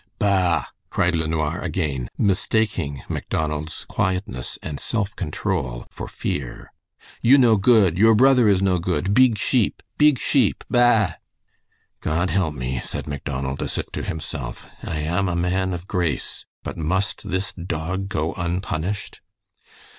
"Bah!" cried LeNoir again, mistaking Macdonald's quietness and self control for fear. "You no good! Your brother is no good! Beeg sheep! Beeg sheep! Bah!" "God help me," said Macdonald as if to himself. "I am a man of grace! But must this dog go unpunished?"